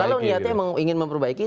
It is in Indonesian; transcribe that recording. kalau niatnya ingin memperbaiki